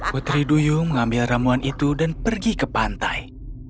putri duyung mengambil ramuan itu dan pergi ke pantai